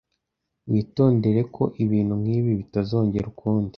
Witondere ko ibintu nkibi bitazongera ukundi.